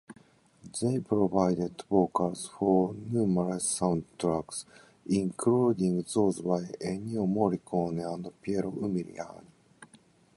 They provided vocals for numerous soundtracks, including those by Ennio Morricone and Piero Umiliani.